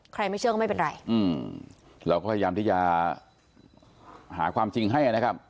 ไม่เชื่อก็ไม่เป็นไรอืมเราก็พยายามที่จะหาความจริงให้นะครับ